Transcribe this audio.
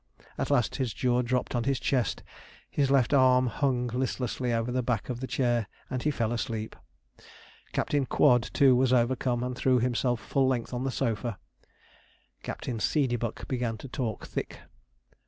At last his jaw dropped on his chest, his left arm hung listlessly over the back of the chair, and he fell asleep. Captain Quod, too, was overcome, and threw himself full length on the sofa. Captain Seedeybuck began to talk thick.